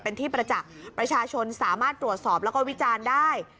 เป็นที่ประจักษ์ประชาชนสามารถตรวจสอบแล้วก็วิจารณ์ได้